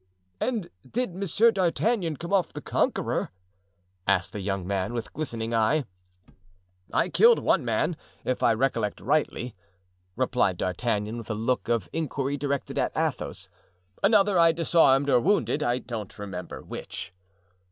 "And did Monsieur D'Artagnan come off the conqueror?" asked the young man, with glistening eye. "I killed one man, if I recollect rightly," replied D'Artagnan, with a look of inquiry directed to Athos; "another I disarmed or wounded, I don't remember which."